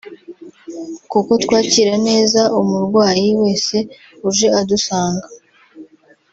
kuko twakira neza umurwayi wese uje adusanga